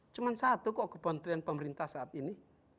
cuma satu kok kementerian pemerintah saat ini